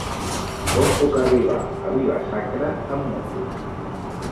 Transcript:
Com puc arribar a Vila-sacra amb moto?